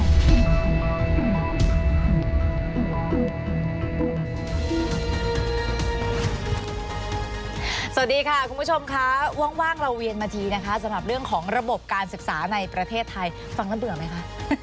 สวัสดีค่ะคุณผู้ชมค่ะว่างเราเวียนมาทีนะคะสำหรับเรื่องของระบบการศึกษาในประเทศไทยฟังแล้วเบื่อไหมคะ